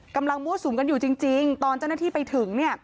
กำลังมั่วสูงกันอยู่จริงตอนเจ้าหน้าที่ไปถึง